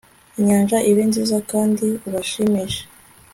inyanja ibe nziza kandi ubashimishe